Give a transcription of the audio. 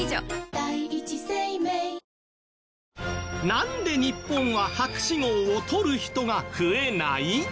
なんで日本は博士号を取る人が増えない？